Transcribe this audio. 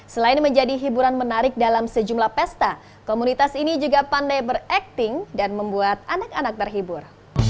selain menjadi hiburan menarik dalam sejumlah pesta komunitas ini juga pandai berakting dan membuat anak anak terhibur